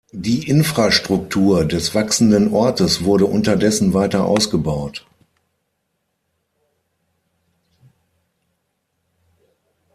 Die Infrastruktur des wachsenden Ortes wurde unterdessen weiter ausgebaut.